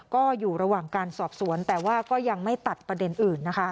ก็อยู่ระหว่างการสอบสวนแต่ว่าก็ยังไม่ตัดประเด็นอื่นนะคะ